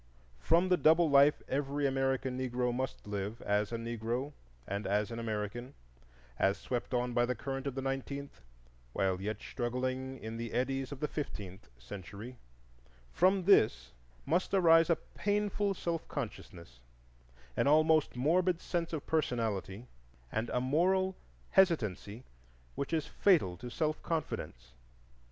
From the double life every American Negro must live, as a Negro and as an American, as swept on by the current of the nineteenth while yet struggling in the eddies of the fifteenth century,—from this must arise a painful self consciousness, an almost morbid sense of personality and a moral hesitancy which is fatal to self confidence.